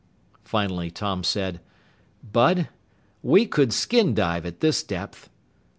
Finally Tom said, "Bud, we could skin dive at this depth."